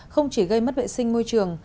không chỉ gây mất vệ sinh môi trường